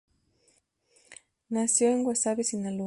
Nació en Guasave, Sinaloa.